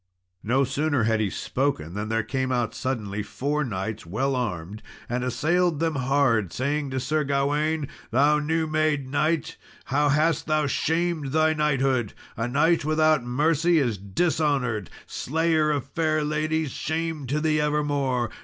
No sooner had he spoken than there came out suddenly four knights, well armed, and assailed them hard, saying to Sir Gawain, "Thou new made knight, how hast thou shamed thy knighthood! a knight without mercy is dishonoured! Slayer of fair ladies, shame to thee evermore!